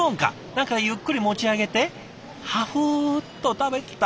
何かゆっくり持ち上げてハフーッと食べた。